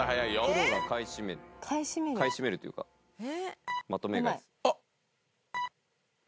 プロが買い占める買い占めるというかまとめ買いする。